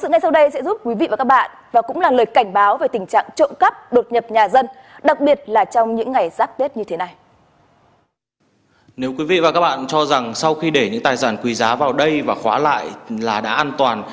thưa quý vị và các bạn cho rằng sau khi để những tài sản quý giá vào đây và khóa lại là đã an toàn